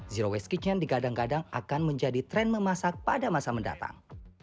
zero waste kitchen digadang gadang akan menjadi tren memasak pada masa mendatang